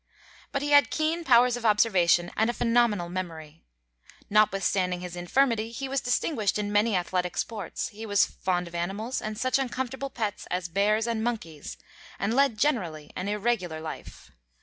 But he had keen powers of observation and a phenomenal memory. Notwithstanding his infirmity he was distinguished in many athletic sports, he was fond of animals and such uncomfortable pets as bears and monkeys, and led generally an irregular life.